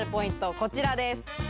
こちらです。